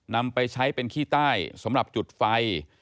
นำไปใช้เป็นขี้ใต้สำหรับจุดไฟ